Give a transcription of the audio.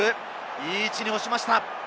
いい位置に落ちました。